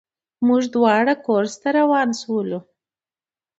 موږ دواړه کورس ته روان شولو.